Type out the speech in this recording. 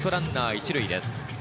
１塁です。